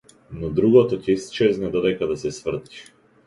Но другото ќе исчезне додека да се свртиш.